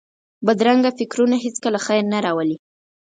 بدرنګه فکرونه هېڅکله خیر نه راولي